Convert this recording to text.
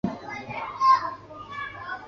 老挝王国是越南战争时交战国的秘密战区。